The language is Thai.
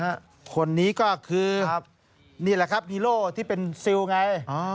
คนนี้ก็คือนี่แหละครับฮีโร่ที่เป็นซิลไง